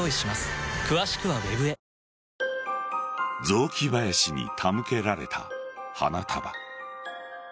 雑木林に手向けられた花束。